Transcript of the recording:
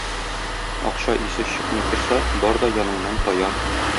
Акча исе чыкмый торса, бар да яныңнан таяр!